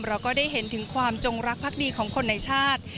เราก็ได้เห็นถึงความจงรักภักดีของคนในชาติ